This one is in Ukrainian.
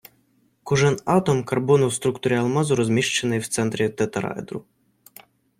Кожен атом карбону в структурі алмазу розміщений в центрі тетраедру